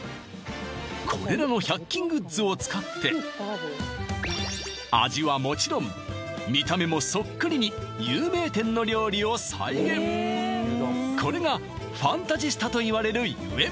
これらの１００均グッズを使って味はもちろん見た目もそっくりに有名店の料理を再現これがファンタジスタと言われるゆえん